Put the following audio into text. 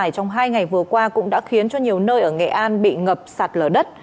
trong hai ngày vừa qua cũng đã khiến cho nhiều nơi ở nghệ an bị ngập sạt lở đất